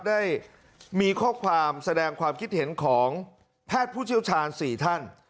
ได้มีข้อความแสดงความคิดเห็นของแพทย์ผู้เชี่ยวชาญ๔ท่าน